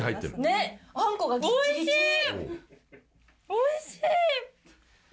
おいしい！